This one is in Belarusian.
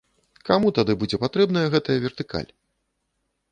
Каму тады будзе патрэбная гэтая вертыкаль?